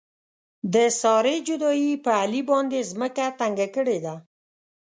د سارې جدایۍ په علي باندې ځمکه تنګه کړې ده.